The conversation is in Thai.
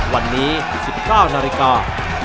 วันนี้๑๙นาฬิกา